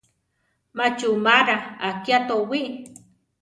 Má chumara akiá towí.